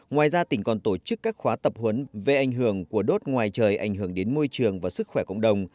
ngoài ra tỉnh còn tổ chức các khóa tập huấn về ảnh hưởng của đốt ngoài trời ảnh hưởng đến môi trường và sức khỏe cộng đồng